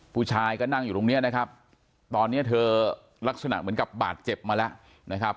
ผู้ชายก็นั่งอยู่ตรงนี้นะครับตอนนี้เธอลักษณะเหมือนกับบาดเจ็บมาแล้วนะครับ